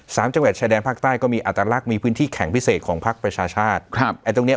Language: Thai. สามจังหวัดชายแดนภาคใต้ก็มีอัตลักษณ์มีพื้นที่แข่งพิเศษของพักประชาชาติครับไอ้ตรงเนี้ย